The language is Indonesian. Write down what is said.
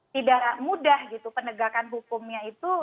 tidak mudah gitu penegakan hukumnya itu